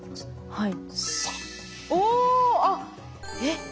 はい。